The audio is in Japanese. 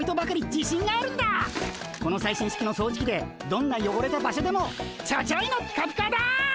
この最新式の掃除機でどんなよごれた場所でもちょちょいのピカピカだ！